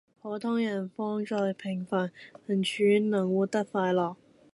普通人放在平凡處能活得快樂